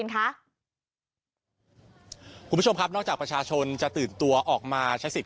คุณผู้ชมครับนอกจากประชาชนจะตื่นตัวออกมาใช้สิทธิ